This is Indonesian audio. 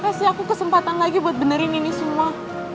pasti aku kesempatan lagi buat benerin ini semua